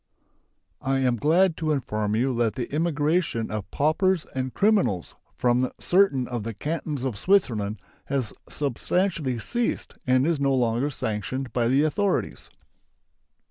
I am glad to inform you that the immigration of paupers and criminals from certain of the Cantons of Switzerland has substantially ceased and is no longer sanctioned by the authorities.